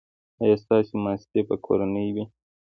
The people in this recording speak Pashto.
ایا ستاسو ماستې به کورنۍ وي؟